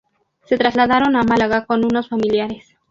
Se trasladaron a Málaga con unos familiares.